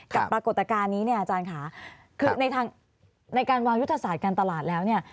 ปรากฏการณ์นี้เนี่ยอาจารย์ค่ะคือในทางในการวางยุทธศาสตร์การตลาดแล้วเนี่ย